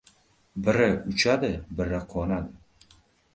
Biri uchadi, biri qo‘nadi.